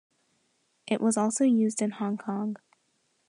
It was also used in Hong Kong.